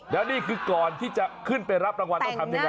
แล้วนี่คือก่อนที่จะขึ้นไปรับรางวัลต้องทำยังไง